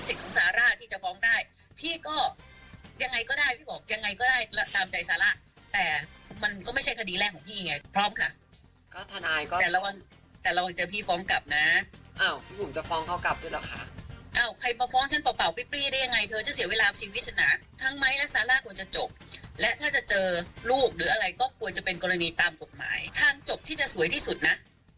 หรืออะไรก็ควรจะเป็นกรณีตามปกหมายทางจบที่จะสวยที่สุดนะ